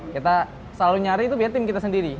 kita selalu nyari itu biar tim kita sendiri